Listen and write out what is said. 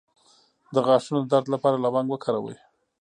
د غاښونو د درد لپاره لونګ وکاروئ